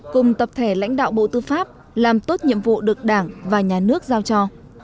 cùng tập thể lãnh đạo bộ tư pháp làm tốt nhiệm vụ được đảng và nhà nước giao cho